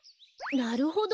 なるほど。